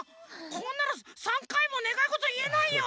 こんなの３かいもねがいごといえないよ！